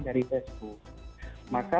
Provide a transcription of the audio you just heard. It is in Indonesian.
dari facebook maka